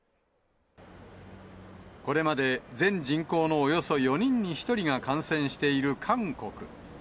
これまで、全人口のおよそ４人に１人が感染している韓国。